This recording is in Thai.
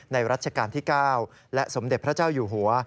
รัชกาลที่๙และสมเด็จพระเจ้าอยู่หัว